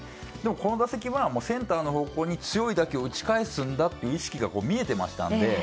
この打席はセンターの方向に強い打球を打ち返すんだという意識が見えていましたので。